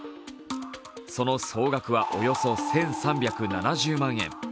その総額はおよそ１３７０万円。